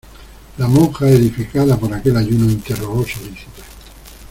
la monja edificada por aquel ayuno, interrogó solícita: